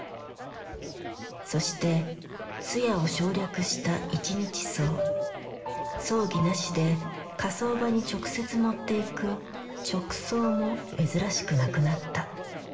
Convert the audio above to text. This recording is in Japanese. そして通夜を省略した「一日葬」葬儀なしで火葬場に直接持っていく「直葬」も珍しくなくなった。